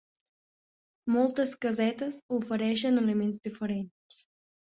Moltes casetes ofereixen aliments diferents.